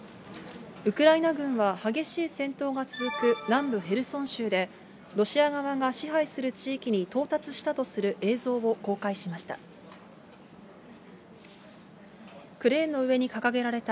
ウクライナ軍は激しい戦闘が続く南部ヘルソン州で、ロシア側が支配する地域に到達したとする映像を公開しました。